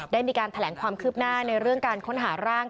ได้มีการแถลงความคืบหน้าในเรื่องการค้นหาร่าง